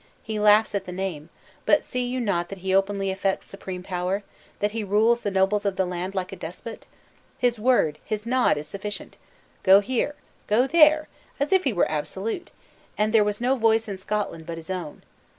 He laughs at the name; but see you not that he openly affects supreme power; that he rules the nobles of the land like a despot? His word, his nod is sufficient! Go here! go there! as if he were absolute, and there was no voice in Scotland but his own!